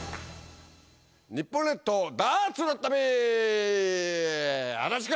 日本列島ダーツの旅足立君！